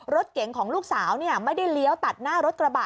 รถเก๋งของลูกสาวไม่ได้เลี้ยวตัดหน้ารถกระบะ